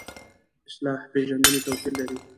اصطلاح پېژندنې توپیر لري.